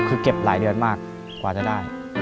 คือเก็บหลายเดือนมากกว่าจะได้